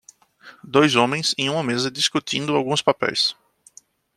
Dois homens em uma mesa discutindo alguns papéis.